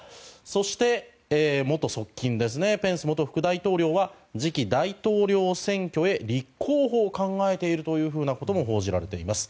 そして、元側近のペンス元副大統領は次期大統領選挙へ立候補を考えているとも報じられています。